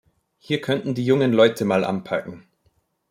Hier könnten die jungen Leute mal anpacken.